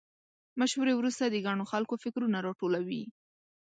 مشورې وروسته د ګڼو خلکو فکرونه راټول وي.